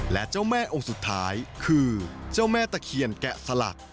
และเจ้าแม่องค์สุดท้ายคือเจ้าแม่ตะเคียนแกะสลัก